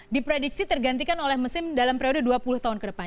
diprediksi tergantikan oleh mesin dalam periode dua puluh tahun ke depan